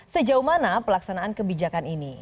sejauh mana pelaksanaan kebijakan ini